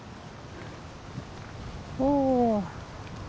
おお。